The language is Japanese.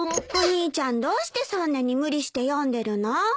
お兄ちゃんどうしてそんなに無理して読んでるの？